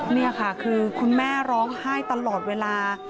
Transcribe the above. นี่ค่ะคือคุณแม่ร้องไห้ตลอดเวลา